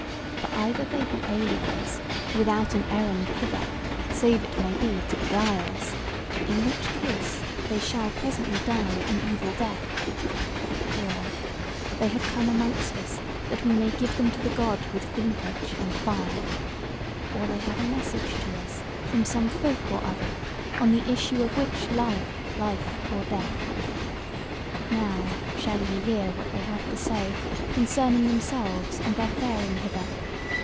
For either they be aliens without an errand hither, save, it may be, to beguile us, in which case they shall presently die an evil death; or they have come amongst us that we may give them to the God with flint edge and fire; or they have a message to us from some folk or other, on the issue of which lieth life or death. Now shall ye hear what they have to say concerning themselves and their faring hither.